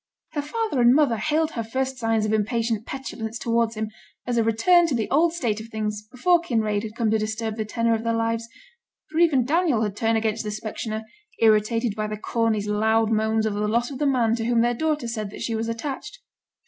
Her father and mother hailed her first signs of impatient petulance towards him as a return to the old state of things before Kinraid had come to disturb the tenour of their lives; for even Daniel had turned against the specksioneer, irritated by the Corneys' loud moans over the loss of the man to whom their daughter said that she was attached.